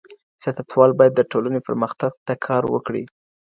سياستوال بايد د ټولنې پرمختګ ته کار وکړي.